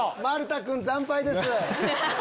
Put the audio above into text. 丸田君惨敗です。